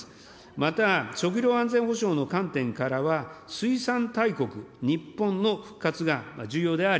また食料安全保障の観点からは、水産大国、日本の復活が重要であり、